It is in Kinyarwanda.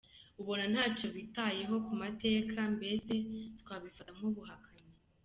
Ubona ntacyo bitayeho ku mateka, mbese twabifata nk’ubuhakanyi.